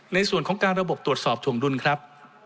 ในส่วนของการระบบตรวจสอบถวงดุลครับ